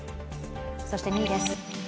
そして２位です。